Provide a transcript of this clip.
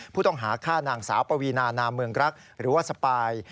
ผู้ต้องหาฆ่านางสาวปวีนานาเมืองรักหรือว่าสปาย